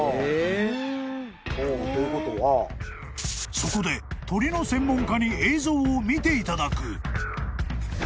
［そこで鳥の専門家に映像を見ていただく］